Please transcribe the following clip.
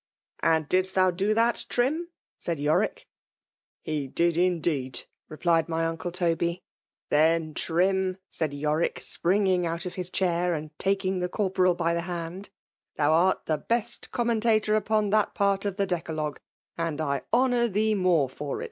« And didit thou do that. Trim ?*' said ToricL « He did indeed,*' replied flay Uncle Iteby, << Then, Trim, laid Yorick, ipringing out of hii chair, and faiung the Corporal by the hand, *'thou art the bett commen tator upon that part of the Decalogue ; and I hooout thee more fur it.